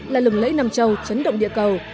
là lừng lẫy nam châu chấn động địa cầu